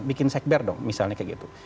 bikin sekber dong misalnya kayak gitu